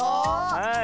はい。